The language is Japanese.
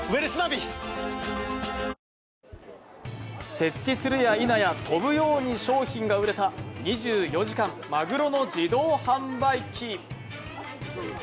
設置するやいなや飛ぶように商品が売れた２４時間マグロの自動販売機。